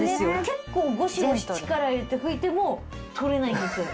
結構ゴシゴシ力を入れて拭いても取れないんですよ。